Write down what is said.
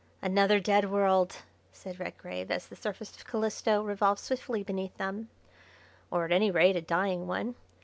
"Another dead world!" said Redgrave, as the surface of Calisto revolved swiftly beneath them, "or at any rate a dying one.